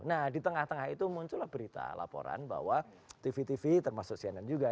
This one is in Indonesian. nah di tengah tengah itu muncullah berita laporan bahwa tv tv termasuk cnn juga